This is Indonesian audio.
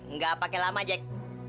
nggak pakai lama jack